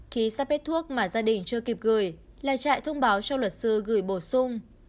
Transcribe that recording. khi sắp hết thuốc mà gia đình chưa kịp gửi là trại thông báo cho luật sư gửi bổ sung